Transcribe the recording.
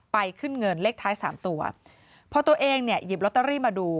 ไปขึ้นเงินเลขท้ายสามตัวพอตัวเองเนี่ยหยิบลอตเตอรี่มาดู